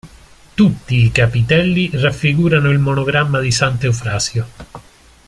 Tutti i capitelli raffigurano il monogramma di sant'Eufrasio.